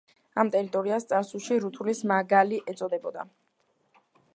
ამ ტერიტორიას წარსულში რუთულის მაგალი ეწოდებოდა.